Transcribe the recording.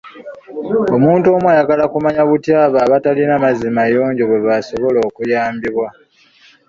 Omuntu omu ayagala okumanya butya abo abatalina mazzi mayonjo bwe basobola okuyambibwa.